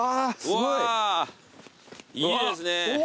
うわーいいですね。